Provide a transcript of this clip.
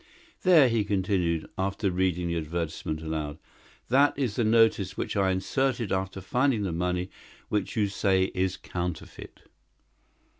"There," he continued, after reading the advertisement aloud, "that is the notice which I inserted after finding the money which you say is counterfeit."